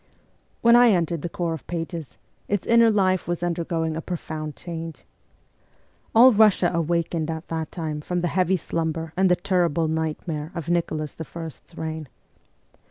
When I entered the corps of pages, its inner life was undergoing a profound change. All Russia awakened at that time from the heavy slumber and the terrible nightmare of Nicholas I.'s reign.